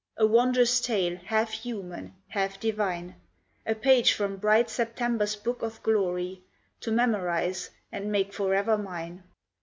A wondrous tale, half human, half divine A page from bright September's book of glory, To memorise and make forever mine.